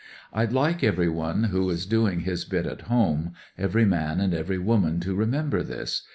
" I'd like everyone who is doing his bit at home, every man and every woman, to remember this.